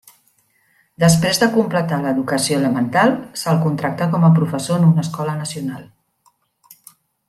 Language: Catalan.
Després de completar l'educació elemental, se'l contractà com a professor en una Escola Nacional.